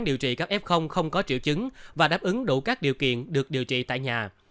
điều trị các f không có triệu chứng và đáp ứng đủ các điều kiện được điều trị tại nhà